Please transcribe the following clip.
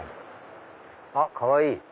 あっかわいい！